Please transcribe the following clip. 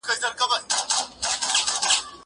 هغه وويل چي لوښي وچول مهم دي!!